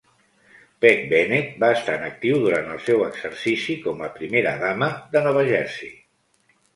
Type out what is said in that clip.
Peg Bennett va estar en actiu durant el seu exercici com a primera dama de Nova Jersey.